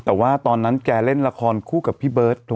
แต่ว่าตอนนั้นแกเล่นละครคู่กับพี่เบิร์ต